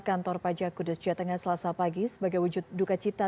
kantor pajak kudus jawa tengah selasa pagi sebagai wujud duka cita